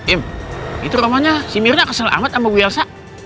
im itu namanya si mirna kesel amat sama gue elsa